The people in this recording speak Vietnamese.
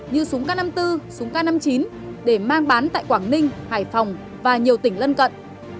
như súng k năm mươi bốn súng k năm mươi chín để mang bán tại quảng ninh hải phòng và nhiều tỉnh lân cận